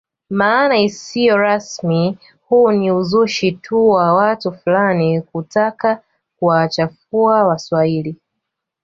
Maana isiyo rasmi huu ni uzushi tu wa watu fulani kutaka kuwachafua waswahili